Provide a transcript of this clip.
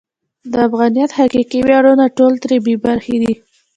د افغانیت حقیقي ویاړونه ټول ترې بې برخې دي.